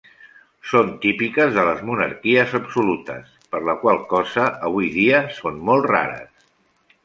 Són típiques de les monarquies absolutes, per la qual cosa avui dia són molt rares.